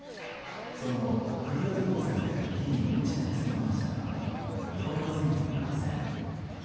その後、繰り上げ当選で議員を１年務めましたが２度目の選挙も落選。